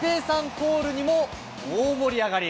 コールにも大盛り上がり。